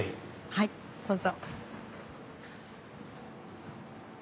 はいどうぞ。